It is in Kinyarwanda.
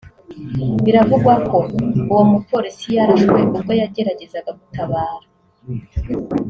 Biravugwa ko uwo mupolisi yarashwe ubwo yageragezaga gutabara